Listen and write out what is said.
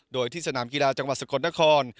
โดยที่สนามกีฬาจังหวัดสกลนคร